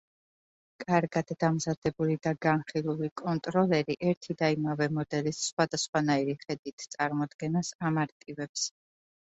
კარგად დამზადებული და განხილული კონტროლერი ერთი და იმავე მოდელის სხვადასხვანაირი ხედით წარმოდგენას ამარტივებს.